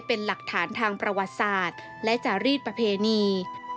เป็นหลักฐานทางประวัติศาสตร์และจารีดประเพณี